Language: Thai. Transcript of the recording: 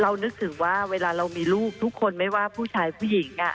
นึกถึงว่าเวลาเรามีลูกทุกคนไม่ว่าผู้ชายผู้หญิง